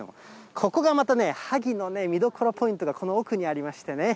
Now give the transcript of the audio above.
ここがまたね、萩の見どころポイントがこの奥にありましてね。